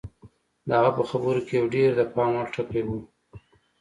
د هغه په خبرو کې یو ډېر د پام وړ ټکی و